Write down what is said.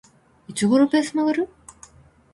いつ頃ベース曲がる？